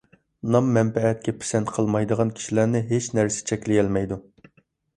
نام ـ مەنپەئەتكە پىسەنت قىلمايدىغان كىشىلەرنى ھېچ نەرسە چەكلىيەلمەيدۇ،